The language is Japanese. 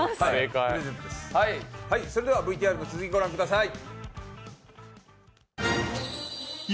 それではＶＴＲの続き、御覧ください。